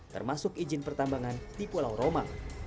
termasuk izin pertambangan di pulau roma